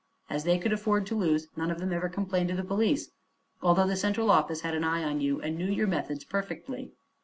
As they could afford to lose, none of them ever complained to the police, although the Central Office had an eye on you and knew your methods perfectly.